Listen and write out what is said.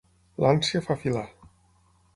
L'ànsia fa filar.